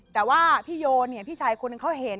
แต่ว่าพี่โยเนี่ยพี่ชายคนหนึ่งเขาเห็น